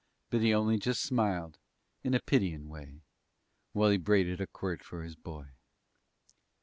But he only just smiled in a pityin' way While he braided a quirt for his boy.